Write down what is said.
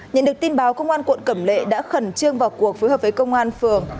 nhận được tin báo công an quận cẩm lệ đã khẩn trương vào cuộc phối hợp với công an phường